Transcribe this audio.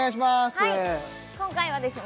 はい今回はですね